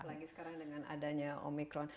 apalagi sekarang dengan adanya omikron